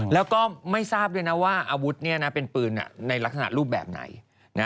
แล้วก็ไม่ทราบด้วยนะว่าอาวุธเป็นปืนในลักษณะรูปแบบไหน